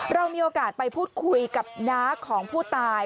เรามีโอกาสไปพูดคุยกับน้าของผู้ตาย